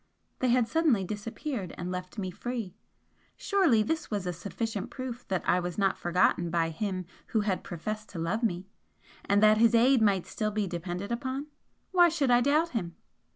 they had suddenly disappeared and left me free. Surely this was a sufficient proof that I was not forgotten by him who had professed to love me? and that his aid might still be depended upon? Why should I doubt him?